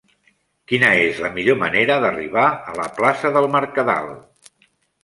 Quina és la millor manera d'arribar a la plaça del Mercadal?